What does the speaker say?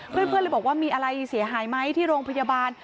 เพื่อนเลยบอกว่ามีอะไรเสียหายไหมที่โรงพยาบาล